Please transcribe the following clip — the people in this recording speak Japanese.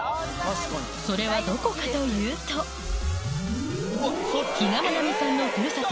それはどこかというと比嘉愛未さんのふるさと